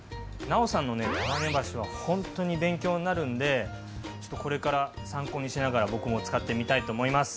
尚さんのね束ねばしはほんとに勉強になるんでちょっとこれから参考にしながら僕も使ってみたいと思います。